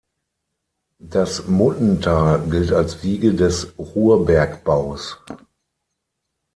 Das Muttental gilt als Wiege des Ruhrbergbaus.